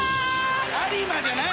有馬じゃない。